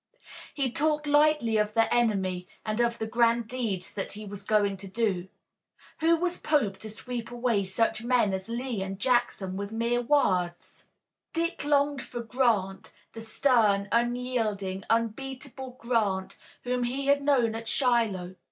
He talked lightly of the enemy and of the grand deeds that he was going to do. Who was Pope to sweep away such men as Lee and Jackson with mere words! Dick longed for Grant, the stern, unyielding, unbeatable Grant whom he had known at Shiloh.